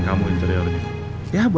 kamu penipu pak bayu